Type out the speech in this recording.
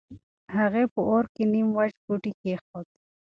هغې په اور کې نيم وچ بوټی کېښود.